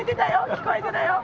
聞こえてたよ。